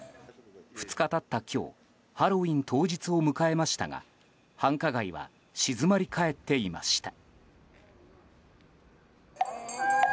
２日経った今日ハロウィーン当日を迎えましたが繁華街は静まり返っていました。